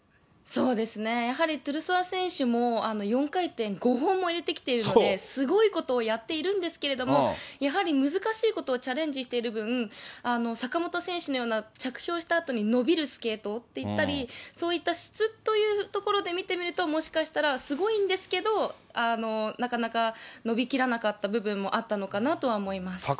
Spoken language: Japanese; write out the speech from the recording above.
そうですね、やはりトゥルソワ選手も、４回転、５本も入れてきてるので、すごいことをやっているんですけれども、やはり難しいことをチャレンジしている分、坂本選手のような着氷したあとに伸びるスケートっていったり、そういった質というところで見てみると、もしかしたら、すごいんですけど、なかなか伸びきらなかった部分もあったのかなとは思います。